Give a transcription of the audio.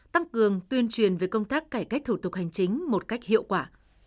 tăng cường tuyên truyền về công tác cải cách thủ tục hành chính một cách hiệu quả